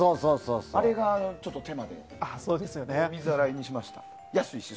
あれがちょっと手間で水洗いにしました。